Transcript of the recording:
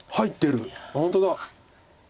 本当だ。